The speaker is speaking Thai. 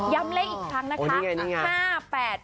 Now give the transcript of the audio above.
ย้ำเลขอีกครั้งนะคะ